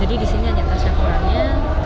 jadi disini hanya tasyakurannya